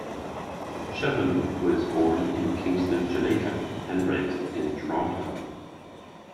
Chevolleau was born in Kingston, Jamaica, and raised in Toronto.